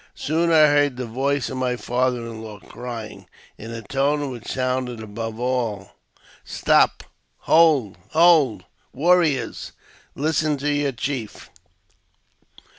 Soon I heard the voice of my father in law crying, in a tone which sounded above all, "Stop! hold! hold! warriors! listen to your chief."